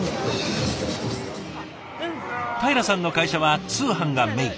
たいらさんの会社は通販がメイン。